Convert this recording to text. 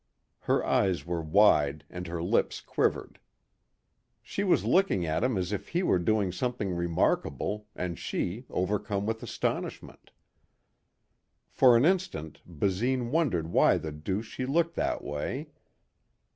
Her eyes were wide and her lips quivered. She was looking at him as if he were doing something remarkable and she overcome with astonishment. For an instant Basine wondered why the deuce she looked that way.